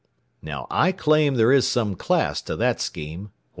"Now, I claim there is some class to that scheme.